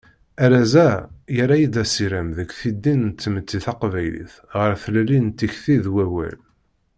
Arraz-a, yerra-yi-d asirem deg tiddin n tmetti taqbaylit ɣer tlelli n tikti d wawal.